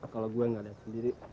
kalau gue gak ada sendiri